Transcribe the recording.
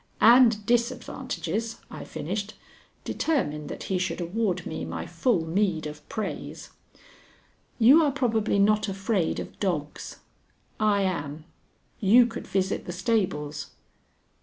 "And disadvantages," I finished, determined that he should award me my full meed of praise. "You are probably not afraid of dogs. I am. You could visit the stables."